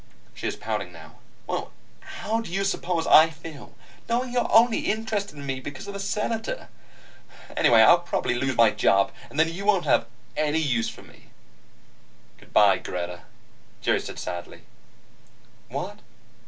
She was pouting now. "Well, how do you suppose I feel, knowing you're only interested in me because of the Senator? Anyway, I'll probably lose my job, and then you won't have any use for me." "Good bye, Greta," Jerry said sadly. "What?"